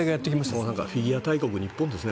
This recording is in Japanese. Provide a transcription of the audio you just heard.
もうフィギュア大国日本ですね。